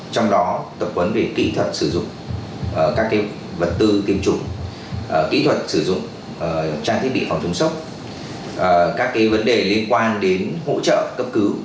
trong đó tập huấn về kỹ thuật sử dụng các vật tư tiêm chủng kỹ thuật sử dụng trang thiết bị phòng chống sốc các vấn đề liên quan đến hỗ trợ cấp cứu